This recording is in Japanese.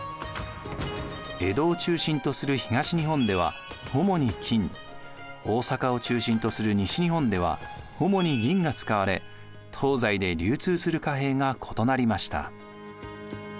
江戸を中心とする東日本では主に金大坂を中心とする西日本では主に銀が使われ東西で流通する貨幣が異なりました。